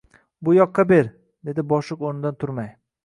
— Bu yoqqa ber, — dedi boshliq o’rnidan turmay.